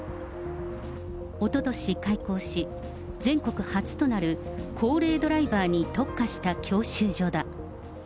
おととし開校し、全国初となる高齢ドライバーに特化した教習所だ。